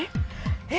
え？